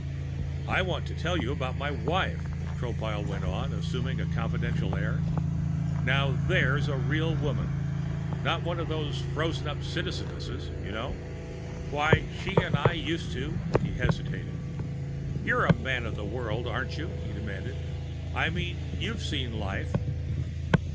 "I want to tell you about my wife," Tropile went on, assuming a confidential air. "Now there's a real woman. Not one of these frozen up Citizenesses, you know? Why, she and I used to " He hesitated. "You're a man of the world, aren't you?" he demanded. "I mean you've seen life."